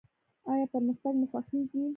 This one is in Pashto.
ایا پرمختګ مو خوښیږي؟